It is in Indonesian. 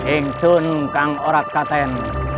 ingsun kang orak katen